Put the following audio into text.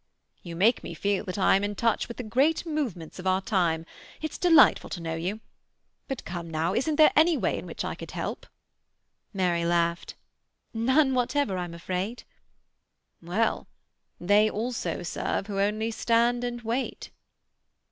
"You make me feel that I am in touch with the great movements of our time. It's delightful to know you. But come now, isn't there any way in which I could help?" Mary laughed. "None whatever, I'm afraid." "Well,—"They also serve who only stand and wait.""